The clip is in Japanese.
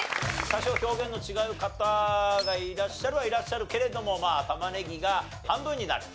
多少表現の違う方がいらっしゃるはいらっしゃるけれどもまあたまねぎが半分になる。